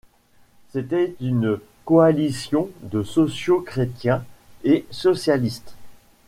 C'était une coalition de sociaux-chrétiens et socialistes.